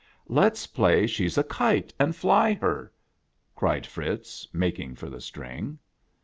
"Let's play she's a kite, and fly her!" cried Fritz, making for the string.